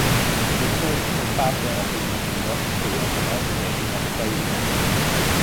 Research Professor of the University of Notre Dame Australia.